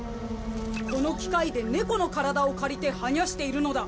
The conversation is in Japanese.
この機械でネコの体を借りてはニャしているのだ。